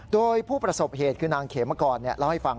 โดยผู้ประสบเหตุคือนางเขมกรเล่าให้ฟัง